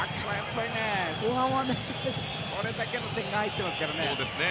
後半はこれだけの点が入ってますからね。